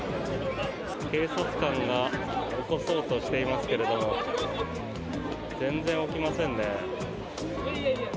警察官が起こそうとしていますけれども全然起きませんね。